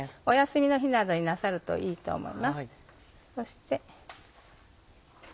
お休みの日などになさるといいと思います。